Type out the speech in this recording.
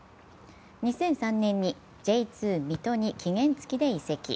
２００３年にＪ２水戸に期限付きで移籍。